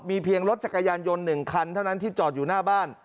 เพียงรถจักรยานยนต์๑คันเท่านั้นที่จอดอยู่หน้าบ้าน